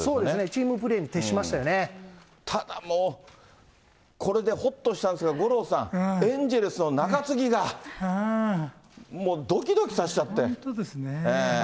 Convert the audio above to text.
チームプレーにただもう、これでほっとしたんですが、五郎さん、エンゼルスの中継ぎが、もう、どきどきさせ本当ですね。